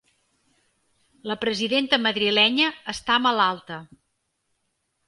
La presidenta madrilenya està malalta